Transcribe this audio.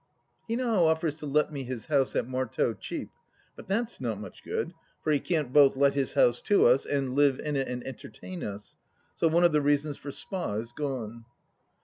He now offers to let me his house at Marteau cheap, but that's not much good, for he can't both let his house to us and live ia it and entertain us, so one of the reasons for Spa is gone.